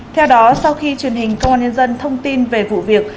theo đó sau khi truyền hình công an nhân dân thông tin về vụ việc